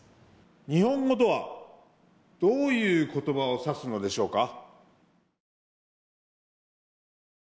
日本語とは、どういう言葉をさすのでしょうか？